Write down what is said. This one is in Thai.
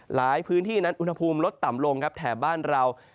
หลายพื้นที่นั้นอุณหภูมิลดต่ำลงครับแถบบ้านเรา